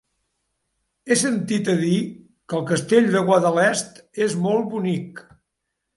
He sentit a dir que el Castell de Guadalest és molt bonic.